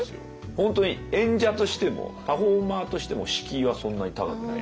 本当に演者としてもパフォーマーとしても敷居はそんなに高くないなって。